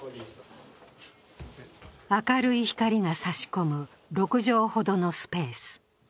明るい光が差し込む６畳ほどのスペース。